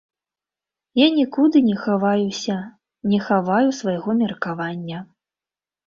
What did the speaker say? Я нікуды не хаваюся, не хаваю свайго меркавання.